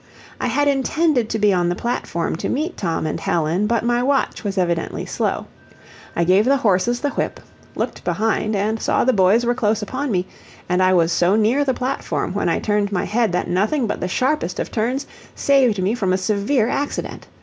I had intended to be on the platform to meet Tom and Helen, but my watch was evidently slow. I gave the horses the whip, looked behind and saw the boys were close upon me, and I was so near the platform when I turned my head that nothing but the sharpest of turns saved me from a severe accident.